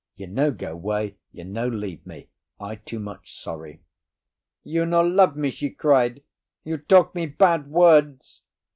You no go 'way, you no leave me, I too much sorry." "You no love me," she cried, "you talk me bad words!"